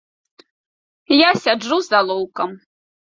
Я сяджу з алоўкам.